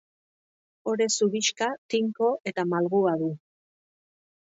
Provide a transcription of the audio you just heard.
Ore zurixka, tinko eta malgua du.